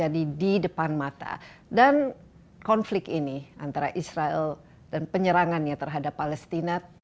dan konflik ini antara israel dan penyerangannya terhadap palestina